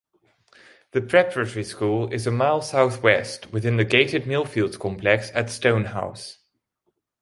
The preparatory school is a mile south-west, within the gated Millfields complex at Stonehouse.